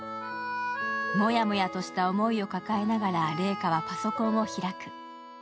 もやもやとした思いを抱えながら怜花はパソコンを開く。